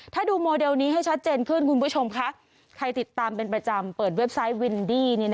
ถ้าดูโมเดลนี้ให้ชัดเจนขึ้นคุณผู้ชมคะใครติดตามเป็นประจำเปิดเว็บไซต์วินดี้